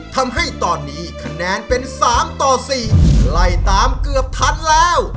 ทำให้ตอนนี้คะแนนเป็น๓ต่อ๔ไล่ตามเกือบทันแล้ว